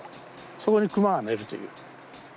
そこにクマが寝るという。